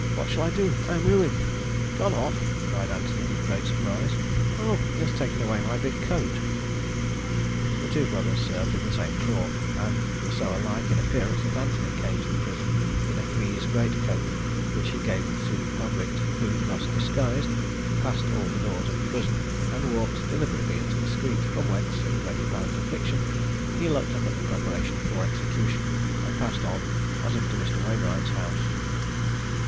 what shall I do? I am ruined!" "Gone off!" cried Anthony with great surprise; "Oh, he has taken away my big coat." The two brothers served in the same corps, and were so alike in appearance that Anthony came to the prison in a frize great coat, which he gave to the convict, who, thus disguised, passed all the doors of the prison, and walked deliberately into the street, from whence, in great apparent affliction, he looked up at the preparation for execution, and passed on as if to Mr. Wainwright's house.